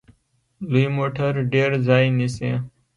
لوی موټر ډیر ځای نیسي.